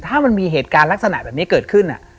ถ้ามันมีเหตุการณ์ลักษณะแบบนี้เกิดขึ้น